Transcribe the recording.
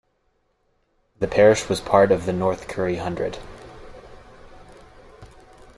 The parish was part of the North Curry Hundred.